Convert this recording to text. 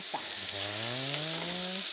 へえ。